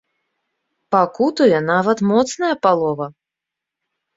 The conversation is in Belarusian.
Пакутуе нават моцная палова!